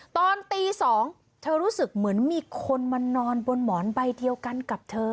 ตอนตี๒เธอรู้สึกเหมือนมีคนมานอนบนหมอนใบเดียวกันกับเธอ